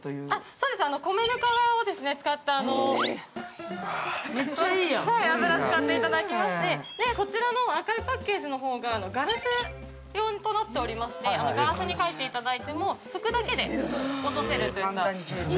そうです、米ぬかを使った油を使っていただきまして、こちらの赤いパッケージの方がガラス用になっておりましてガラスに描いても、拭くだけで落とせるという。